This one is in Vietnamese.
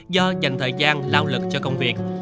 do dành thời gian lao lực cho công việc